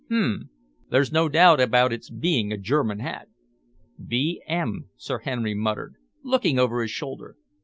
Hm! There's no doubt about its being a German hat." "B. M.," Sir Henry muttered, looking over his shoulder.